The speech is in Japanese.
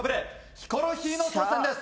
ヒコロヒーの挑戦です。